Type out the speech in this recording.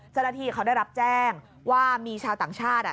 สัญลักษณ์ที่เขาได้รับแจ้งว่ามีชาวต่างชาติ